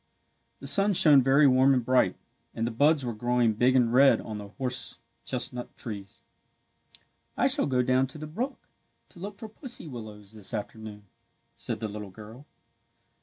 The sun shone very warm and bright, and the buds were growing big and red on the horse chestnut trees. "I shall go down to the brook to look for pussy willows this afternoon," said the little girl.